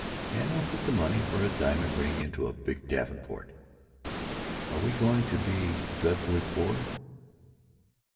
And we'll put the money for a diamond ring into a big davenport.... Are we going to be dreadfully poor?"